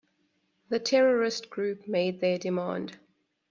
The terrorist group made their demand.